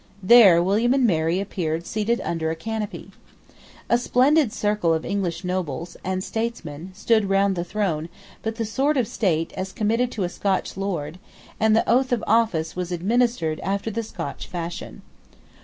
There William and Mary appeared seated under a canopy. A splendid circle of English nobles, and statesmen stood round the throne: but the sword of state as committed to a Scotch lord; and the oath of office was administered after the Scotch fashion.